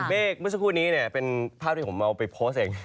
เมฆเมื่อสักครู่นี้เนี่ยเป็นภาพที่ผมเอาไปโพสต์เอง